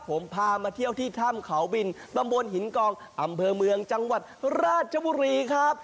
ผมพามาเที่ยวที่ถ้ำเขาบินตำบลหินกองอำเภอเมืองจังหวัดราชบุรีครับ